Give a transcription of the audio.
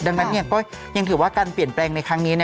ดังนั้นก็ยังถือว่าการเปลี่ยนแปลงในครั้งนี้